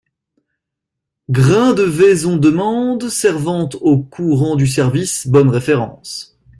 Grains de Vais On demande servante au courant du service, bonnes références.